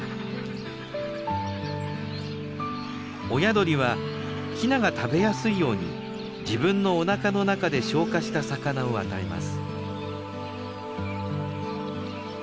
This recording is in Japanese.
親鳥はヒナが食べやすいように自分のおなかの中で消化した魚を与えます。